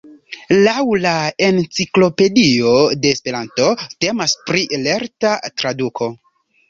Laŭ la Enciklopedio de Esperanto temas pri "lerta traduko".